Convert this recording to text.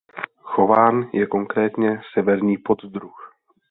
Chován je konkrétně severní poddruh.